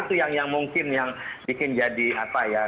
itu yang mungkin yang bikin jadi apa ya